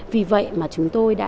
vì vậy mà chúng tôi đã